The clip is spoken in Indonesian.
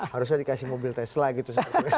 harusnya dikasih mobil tesla gitu